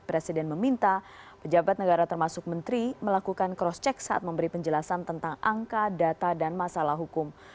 presiden meminta pejabat negara termasuk menteri melakukan cross check saat memberi penjelasan tentang angka data dan masalah hukum